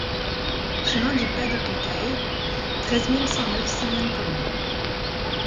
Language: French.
Chemin du Pas de Peycaî, treize mille cent neuf Simiane-Collongue